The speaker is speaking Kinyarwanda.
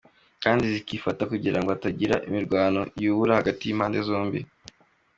Kandi zikifata kugirango hatagira imirwano yubura hagati y’impande zombi.